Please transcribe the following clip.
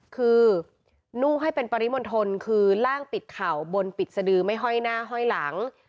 คือนุ่งให้เป็นปริมณฑลคือร่างปิดเข่าบนปิดสดือไม่ห้อยหน้าห้อยหลัง